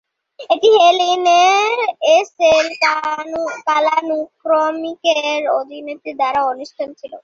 এটি hell in a cell কালানুক্রমিকের অধীনে প্রচারিত দ্বাদশ অনুষ্ঠান ছিল।